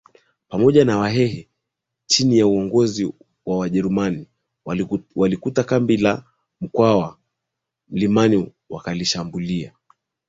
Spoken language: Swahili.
pamoja na Wahehe chini ya uongozi wa Wajerumani walikuta kambi la Mkwawa mlimani wakalishambulia